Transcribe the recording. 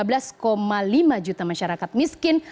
rp lima belas lima juta masyarakat miskin